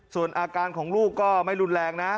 ส่วนอาการของลูกก็ไม่รุนแรงนะ